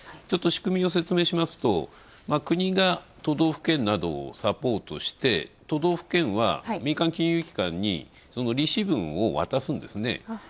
仕組みを説明しますと国が都道府県などをサポートして、都道府県は民間金融機関に利子分を渡すんですね。